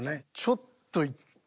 ちょっと。